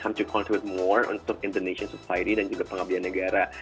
i want to contribute more to indonesian society dan juga pengabdian negara